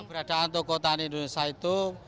keberadaan toko tani indonesia itu